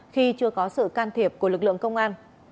khi chưa có sự can thiệp của lực lượng công an